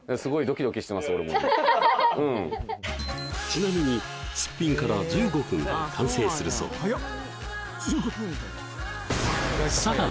ちなみにすっぴんから１５分で完成するそうだ